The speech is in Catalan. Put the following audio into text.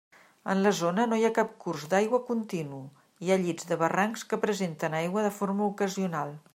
En la zona no hi ha cap curs d'aigua continu, hi ha llits de barrancs que presenten aigua de forma ocasional.